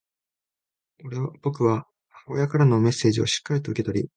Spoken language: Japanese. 僕は母親からのメッセージをしっかりと受け取り、